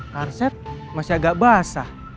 karset masih agak basah